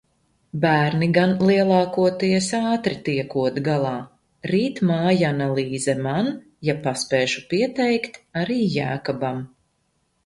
Bērni gan lielākoties ātri tiekot galā. Rīt mājanalīze man, ja paspēšu pieteikt, arī Jēkabam.